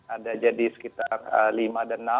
ada jadi sekitar lima dan enam